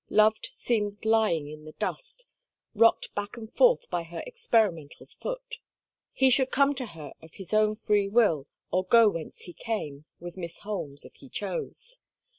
Love seemed lying in the dust, rocked back and forth by her experimental foot. He should come to her of his own free will, or go whence he came—with Miss Holmes, if he chose.